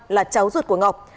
là cháu ruột của ngọc